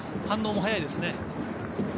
反応も早いですね。